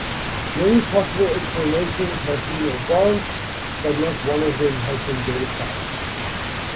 Many possible explanations have been advanced, but not one of them has been verified.